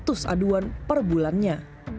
jumlah aduan per bulannya